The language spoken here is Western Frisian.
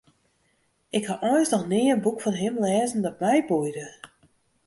Ik ha eins noch nea in boek fan him lêzen dat my boeide.